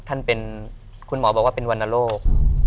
ท่านเป็นคุณหมอบอกว่าเป็นวรรณโรค